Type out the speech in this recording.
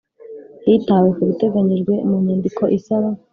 hitawe ku biteganyijwe mu nyandiko isaba